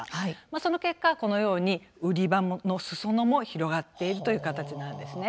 その結果、このように売り場のすそ野も広がっているという形なんですね。